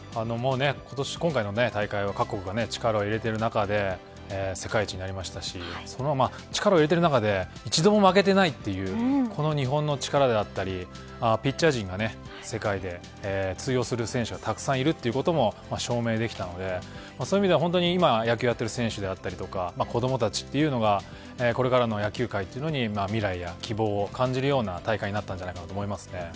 今年今回の大会は各国が力を入れている中で世界一になりましたし力を入れている中で一度も負けていないというこの日本の力であったりピッチャー陣が世界で通用する選手がたくさんいるということも証明できたのでそういう意味では本当に野球をやってる選手であったり子どもたちというのがこれからの野球界というのに未来や希望を感じるような大会になったんじゃないかと思います。